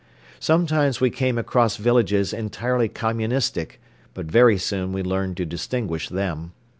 Sometimes we came across villages entirely Communistic but very soon we learned to distinguish them.